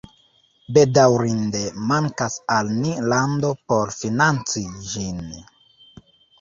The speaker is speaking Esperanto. Bedaŭrinde mankas al ni lando por financi ĝin